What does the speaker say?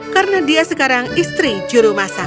karena dia sekarang istri juru masak